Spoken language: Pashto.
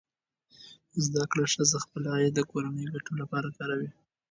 زده کړه ښځه خپل عاید د کورنۍ ګټو لپاره کاروي.